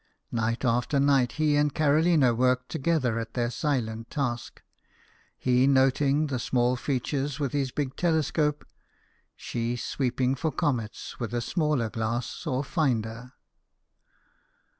Night after night he and Carolina worked together at their silent task he noting the small features with his big telescope, she " sweeping for comets " with a smaller glass or " finder."